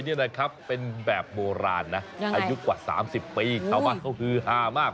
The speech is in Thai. และกุมารทองรวยเป็นแบบโบราณนะอายุกว่า๓๐ปีเขาคือห้ามาก